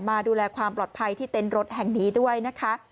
มาดูแลความปลอดภัยที่เต็นต์รถแห่งนี้ด้วยนะคะ